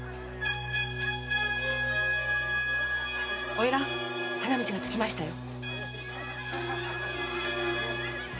花魁花道がつきましたよ。